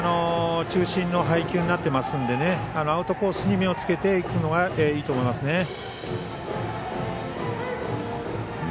中心の配球になってますのでアウトコースに目をつけていくのがいいと思いますね。